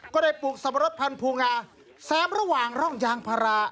ก็ได้ปลูกสับปะรดพันธุ์ภูงาแซมระหว่างร่องยางพรา